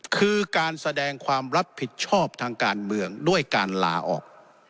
คือการแสดงความรับผิดชอบทางการเมืองด้วยการลาออก